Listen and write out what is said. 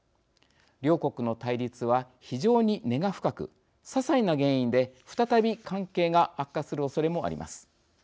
両国の対立は、非常に根が深くささいな原因で再び関係が悪化するおそれもあります。